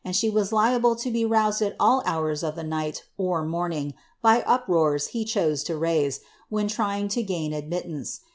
ANNE OF DEIIMAHK* 260 was liable to be roused at all hours of the night or morning by uproars he chose to raise, when trying to gain admittance.